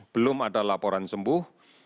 belum ada laporan sembuh